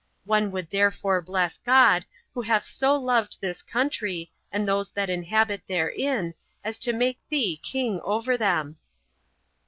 One would therefore bless God, who hath so loved this country, and those that inhabit therein, as to make thee king over them."